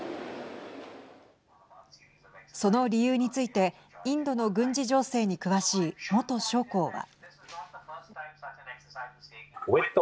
その理由についてインドの軍事情勢に詳しい元将校は。